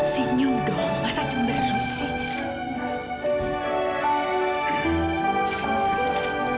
sinyum dong masa cenderung sih